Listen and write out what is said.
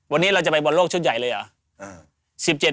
วันนี้เราจะไปบอลโลกชุดใหญ่เลยเหรอ